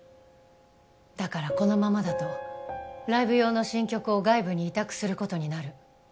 だからこのままだとライブ用の新曲を外部に委託することになる